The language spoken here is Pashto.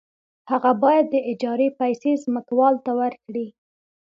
هغه باید د اجارې پیسې ځمکوال ته ورکړي